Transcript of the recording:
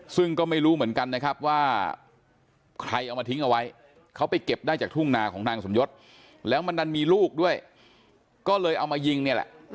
ซึ่งก็ไม่รู้เหมือนกันนะครับว่าใครเอามาทิ้งเอาไว้เขาไปเก็บได้จากทุ่งนาของนางสมยศแล้วมันดันมีลูกด้วยก็เลยเอามายิงเนี่ยแหละ